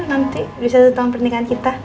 nanti bisa ditangani pernikahan kita